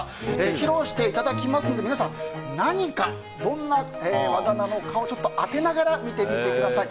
披露していただきますので皆さん、何かどんな技なのかを当てながら見てみてください。